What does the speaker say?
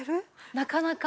なかなか。